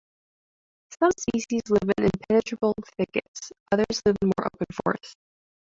Some species live in impenetrable thickets; others live in more open forest.